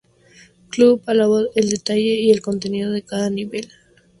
Club" alabó el detalle y el contenido de cada nivel.